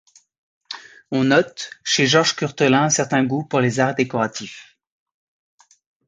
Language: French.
On note, chez Georges Curtelin un certain goût pour les arts décoratifs.